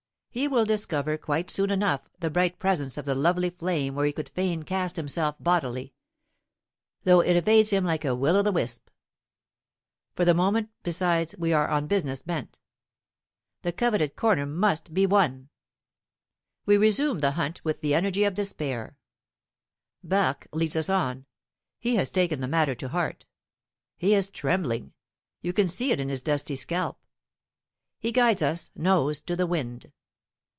He will discover quite soon enough the bright presence of that lovely flame where he would fain cast himself bodily, though it evades him like a Will o' th' wisp. For the moment, besides, we are on business bent. The coveted corner must be won. We resume the hunt with the energy of despair. Barque leads us on; he has taken the matter to heart. He is trembling you can see it in his dusty scalp. He guides us, nose to the wind.